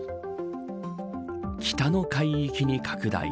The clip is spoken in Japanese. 北の海域に拡大。